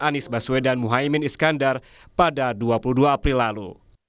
anies baswedan muhaymin iskandar pada dua puluh dua april lalu